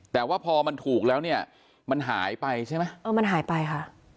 แต่ว่าพอมันถูกแล้วเนี่ยมันหายไปใช่ไหมเออมันหายไปค่ะ